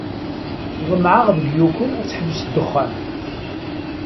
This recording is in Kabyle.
Ḍemɛeɣ deg Yoko ad teḥbes ddexxan.